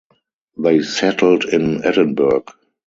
They settled in Edinburgh.